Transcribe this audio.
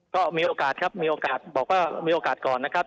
ก็มีโอกาสครับมีโอกาสก่อนนะครับ